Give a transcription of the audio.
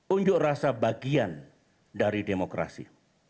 unjuk rasa bagian dari demokrasi